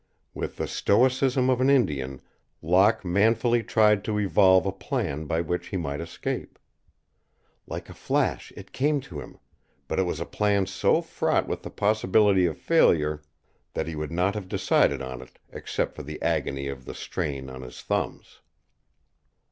With the stoicism of an Indian, Locke manfully tried to evolve a plan by which he might escape. Like a flash it came to him, but it was a plan so fraught with the possibility of failure that he would not have decided on it except for the agony of the strain on his thumbs.